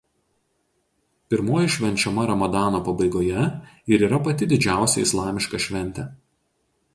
Pirmoji švenčiama ramadano pabaigoje ir yra pati didžiausia islamiška šventė.